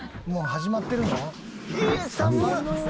もう始まってるの？